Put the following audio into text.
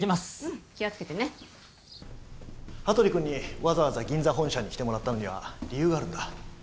羽鳥君にわざわざ銀座本社に来てもらったのには理由があるんだ。